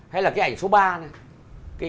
hay là cái ảnh số ba này